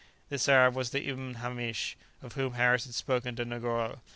This Arab was the Ibn Hamish of whom Harris had spoken to Negoro.